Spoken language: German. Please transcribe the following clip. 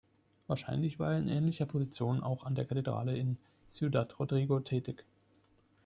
Wahrscheinlich war er in ähnlicher Position auch an der Kathedrale in Ciudad Rodrigo tätig.